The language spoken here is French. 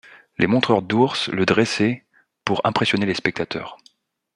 Les montreurs d'ours le dressaient pour impressionner les spectateurs.